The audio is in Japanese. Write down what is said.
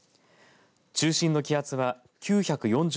中心の気圧は９４０